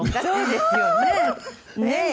そうですよね。